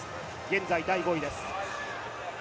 現在第５位です。